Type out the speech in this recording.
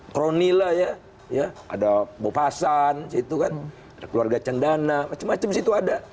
kronila ya ada bopasan ada keluarga cendana macam macam di situ ada